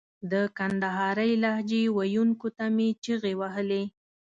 د کندهارۍ لهجې ویونکو ته مې چیغې وهلې.